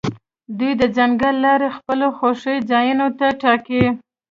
دوی د ځنګل لارې خپلو خوښې ځایونو ته ټاکي